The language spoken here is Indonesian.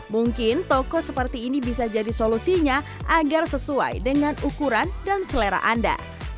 mungkin toko seperti ini bisa jadi solusinya agar sesuai dengan ukuran dan selera anda